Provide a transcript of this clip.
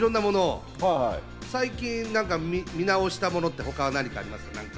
最近、見直したものって他は何かありませんか？